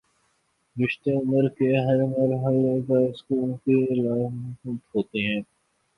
رشتے عمر کے ہر مر حلے پر سکون کی علامت ہوتے ہیں۔